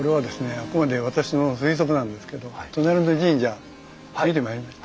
あくまで私の推測なんですけど隣の神社見てまいりました？